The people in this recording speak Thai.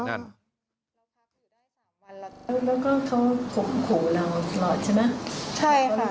แล้วก็เขาขู่เราหรอใช่ไหม